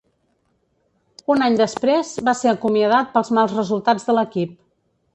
Un any després, va ser acomiadat pels mals resultats de l'equip.